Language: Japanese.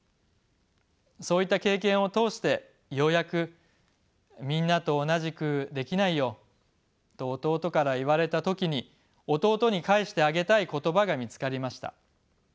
そういった経験を通してようやく「みんなとおなじくできないよ」と弟から言われた時に弟に返してあげたい言葉が見つかりました。